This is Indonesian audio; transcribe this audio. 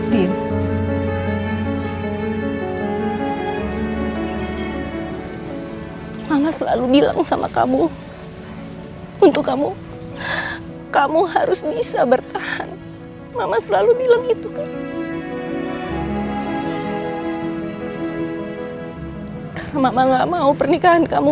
mereka sudah sudah selesai menyab health care dan bersungguhnya ngasih u drizzle ke mitra untuk kamu